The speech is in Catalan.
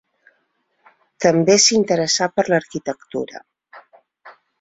També s'interessà per l'arquitectura.